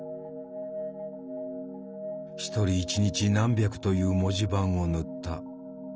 一人一日何百という文字盤を塗った。